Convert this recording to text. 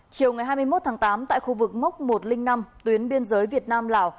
chiều ngày hai mươi một tháng tám tại khu vực mốc một trăm linh năm tuyến biên giới việt nam lào